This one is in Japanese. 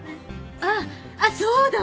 あっあっそうだ